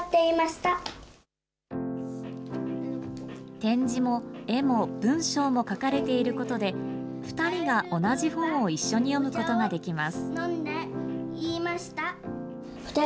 点字も絵も文章も書かれていることで、２人が同じ本を一緒に読むことができます。